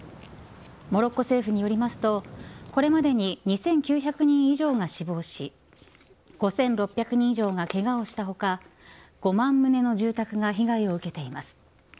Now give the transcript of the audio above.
モロッコ政府によりますとこれまでに２９００人以上が死亡し５６００人以上がケガをした他５万棟の住宅が被害を受けています。